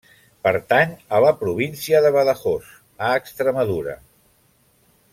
Pertany a la província de Badajoz, a Extremadura.